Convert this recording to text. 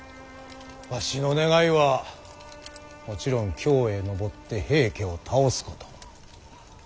わしの願いはもちろん京へ上って平家を倒すこと。